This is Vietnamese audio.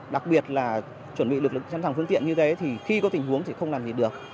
đặc biệt là chuẩn bị lực lượng sẵn sàng phương tiện như thế thì khi có tình huống thì không làm gì được